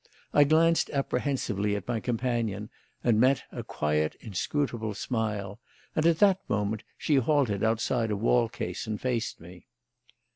I glanced apprehensively at my companion, and met a quiet, inscrutable smile; and at that moment she halted outside a wall case and faced me.